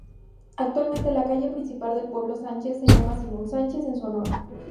Actualmente la calle principal del pueblo "Sánchez", se llama "Simón Sánchez" en su honor.